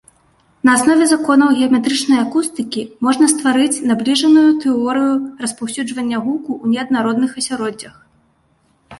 На аснове законаў геаметрычнай акустыкі можна стварыць набліжаную тэорыю распаўсюджвання гуку ў неаднародных асяроддзях.